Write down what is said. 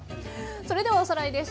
それではおさらいです。